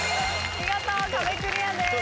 見事壁クリアです。